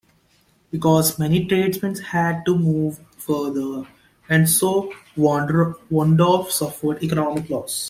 Because many tradesmen had to move further, and so Warendorf suffered economic loss.